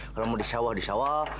kalau mau disawah disawah